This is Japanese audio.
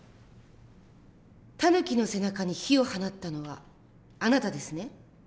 タヌキの背中に火を放ったのはあなたですね？